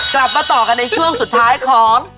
กลับมาต่อกันในช่วงสุดท้ายของ